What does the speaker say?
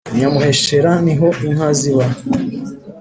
nyamuheshera niho inka ziba